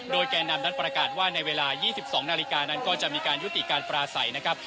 โดยแก่นำนั้นประกาศว่าในเวลา๒๒นาฬิกานั้นก็จะมีการยุติการปราศัยนะครับ